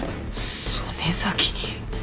曽根崎に。